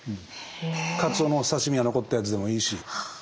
かつおのお刺身が残ったやつでもいいし。